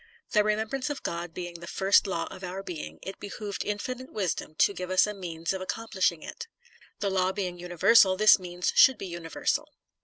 The remembrance of God being the first law of our being, it behooved Infinite Wisdom to give us a means of accom plishing it. The law being universal, this means should be universal.